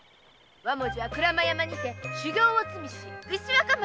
わもじは鞍馬山にて修行をつみし牛若丸。